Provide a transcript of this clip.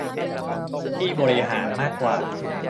ที่บริหารมากว่า